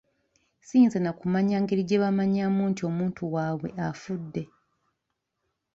Ssiyinza na kumanya ngeri gye baamanyaamu nti omuntu waabwe afudde.